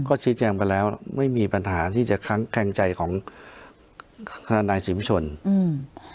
ก็ทีแจงไปแล้วไม่มีปัญหาที่จะแข็งใจของท่านายศิริชนอืม